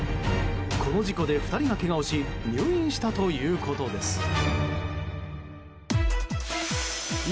この事故で２人がけがをし入院したということです。